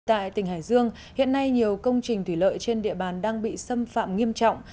tại tỉnh hải dương hiện nay nhiều công trình thủy lợi trên địa bàn đang bị xâm phạm nghiêm trọng